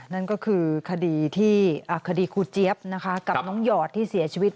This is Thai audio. นั่นก็คือคดีที่คดีครูเจี๊ยบนะคะกับน้องหยอดที่เสียชีวิต